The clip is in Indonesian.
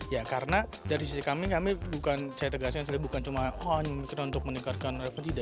ya karena dari sisi kami kami bukan saya tegasin bukan cuma oh ini untuk meningkatkan revenue